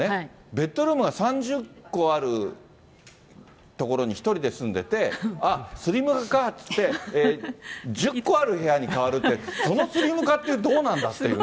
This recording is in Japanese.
ベッドルームが３０個ある所に１人で住んでて、あっ、スリム化かっていって、１０個ある部屋に変わるって、そのスリム化って、どうなんだっていうね。